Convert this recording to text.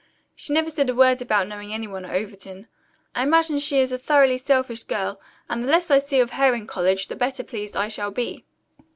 "She never said a word about knowing any one at Overton. I imagine she is a thoroughly selfish girl, and the less I see of her in college the better pleased I shall be."